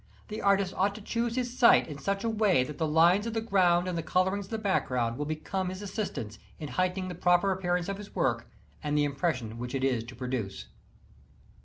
The artist ought to choose his site in such a way that the lines of the ground and the coloring of the back ground will become his assistants in heightening the proper appearance of his work and the impression which it is to produce.